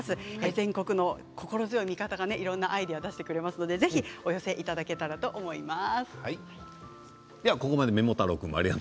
全国の心強い味方がいろんなアイデアを出してくださいますので寄せていただけたらと思います。